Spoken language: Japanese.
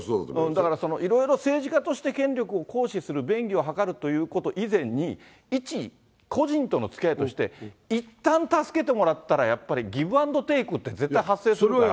だからそのいろいろ政治家として権力を行使する、便宜を図るということ以前に、一個人とのつきあいとして、いったん助けてもらったら、やっぱりギブアンドテークって絶対発生するから。